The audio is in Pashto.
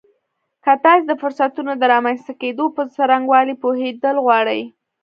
که تاسې د فرصتونو د رامنځته کېدو په څرنګوالي پوهېدل غواړئ.